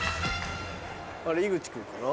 あれ井口君かな？